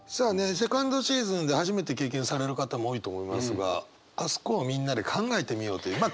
セカンドシーズンで初めて経験される方も多いと思いますがあそこをみんなで考えてみようというまあ